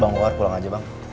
bang keluar pulang aja bang